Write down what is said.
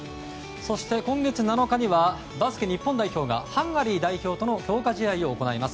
そして今月７日にはバスケ日本代表がハンガリー代表との強化試合を行います。